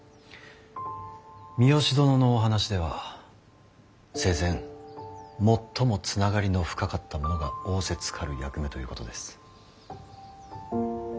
三善殿のお話では生前最も繋がりの深かった者が仰せつかる役目ということです。